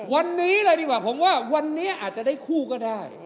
วันนี้เลยดีกว่าผมว่าวันนี้อาจจะได้คู่ก็ได้